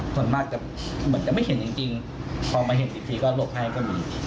ส่วนมากจะเหมือนจะไม่เห็นจริงพอมาเห็นอีกทีก็หลบให้ก็มี